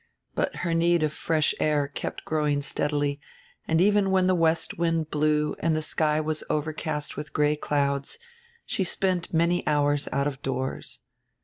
But her need of fresh air kept growing steadily, and even when the west wind blew and the sky was overcast with gray clouds, she spent many hours out of doors.